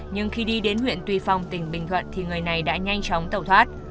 nhưng khi đi đến huyện tuy phong tỉnh bình thuận thì người này đã nhanh chóng tẩu thoát